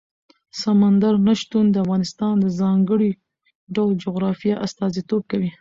سمندر نه شتون د افغانستان د ځانګړي ډول جغرافیه استازیتوب کوي.